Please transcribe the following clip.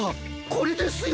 これですよ！